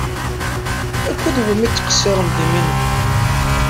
Akked wumi i tqeṣṣrem diminu?